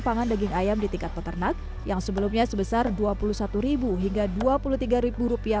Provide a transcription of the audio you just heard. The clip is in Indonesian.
pangan daging ayam di tingkat peternak yang sebelumnya sebesar dua puluh satu hingga dua puluh tiga rupiah